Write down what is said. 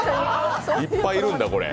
いっぱいいるんだ。